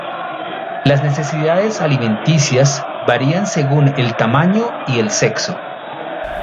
Las necesidades alimenticias varían según el tamaño y el sexo.